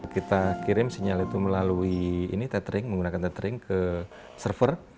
kita kirim sinyal itu melalui ini tethering menggunakan tettering ke server